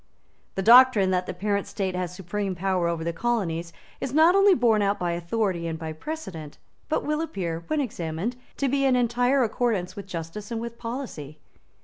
The doctrine that the parent state has supreme power over the colonies is not only borne out by authority and by precedent, but will appear, when examined, to be in entire accordance with justice and with policy.